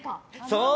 そう！